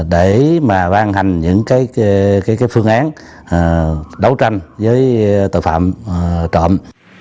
để mà ban hành những phương án đấu tranh với tội phạm trộm